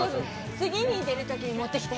次に出るときに持ってきて？